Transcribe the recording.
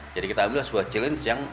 jadi kita ambil sebuah challenge yang